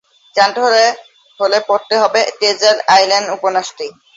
জানতে হলে পড়তে হবে ট্রেজার আইল্যান্ড উপন্যাসটি।